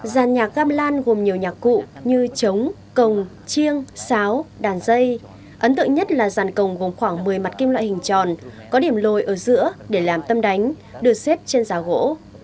giản nhạc gamlan gồm nhiều nhạc cụ như trống cồng chiêng sáo đàn dây ấn tượng nhất là giản cồng gồm khoảng một mươi mặt kim loại hình tròn có điểm lồi ở giữa để làm tâm đánh được xếp trên giả gỗ